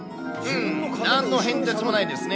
なんの変哲もないですね。